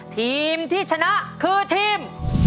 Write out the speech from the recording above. ทีมที่ชนะคือทีม